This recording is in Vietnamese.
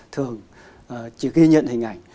thường chỉ ghi nhận hình ảnh